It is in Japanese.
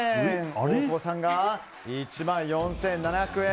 大久保さんが１万４７００円。